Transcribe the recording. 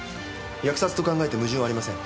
扼殺と考えて矛盾ありません。